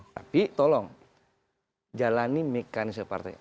tapi tolong jalani mekanis yang partai